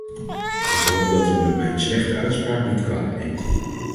Ik hoop dat u me mijn slechte uitspraak niet kwalijk neemt.